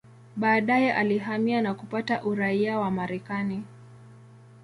Baadaye alihamia na kupata uraia wa Marekani.